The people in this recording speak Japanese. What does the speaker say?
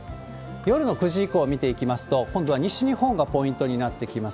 夜の９時以降見ていきますと、今度は西日本がポイントになってきます。